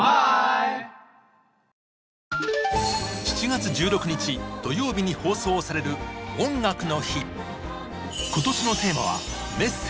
７月１６日土曜日に放送される「音楽の日」。